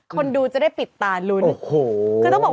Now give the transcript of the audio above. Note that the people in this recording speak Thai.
คนดูจะได้ปิดตาลุ้น